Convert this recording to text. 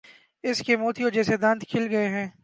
اس کے موتیوں جیسے دانت کھل گئے تھے۔